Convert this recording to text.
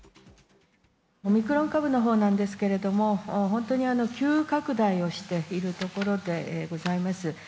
オミクロン株のほうなんですけれども、本当に急拡大をしているところでございます。